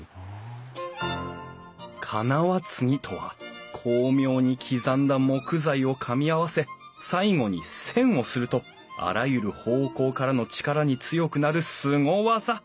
金輪継ぎとは巧妙に刻んだ木材をかみ合わせ最後に栓をするとあらゆる方向からの力に強くなるすご技。